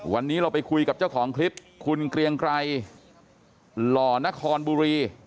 วันนี้เราไปคุยกับเจ้าของคลิปคุณเกรียงไกรหล่อนครบุรี